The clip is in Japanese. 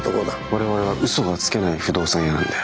我々は嘘がつけない不動産屋さんなんで。